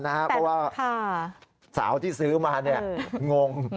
แต่ว่าสาวที่ซื้อมานี่งง